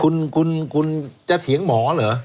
คุณคุณจะเถียงหมอเหรอ